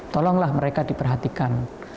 tolonglah mereka diperhatikan